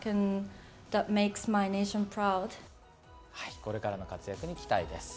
これからの活躍に期待です。